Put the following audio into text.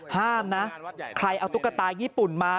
ห้ามนะใครเอาตุ๊กตาญี่ปุ่นมา